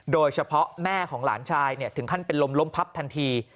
โดยเฉพาะแม่ของหลานชายถึงขั้นเป็นลมลมพับทันที